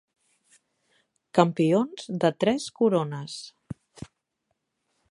Campions de Tres Corones.